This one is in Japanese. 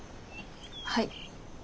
はい。